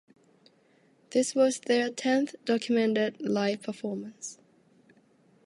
This was their tenth documented live performance.